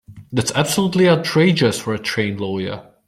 That's absolutely outrageous for a trained lawyer.